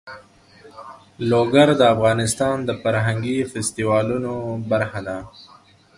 لوگر د افغانستان د فرهنګي فستیوالونو برخه ده.